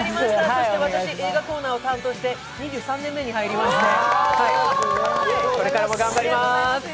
そして私、映画コーナーを担当して２３年目に入りまして、これからも頑張ります。